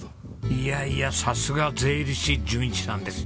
いやいやさすが税理士淳一さんです。